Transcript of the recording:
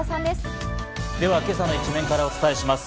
では、今朝の一面からお伝えします。